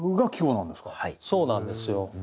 そうなんですよ。